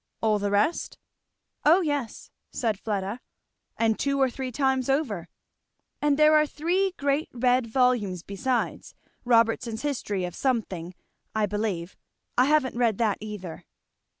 "All the rest?" "O yes," said Fleda, "and two or three times over. And there are three great red volumes besides, Robertson's history of something, I believe. I haven't read that either."